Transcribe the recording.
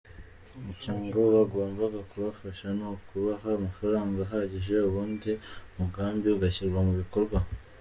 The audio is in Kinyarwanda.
Icyo ngo bagombaga kubafasha ni ukubaha amafaranga ahagije ubundi umugambi ugashyirwa mu bikorwa.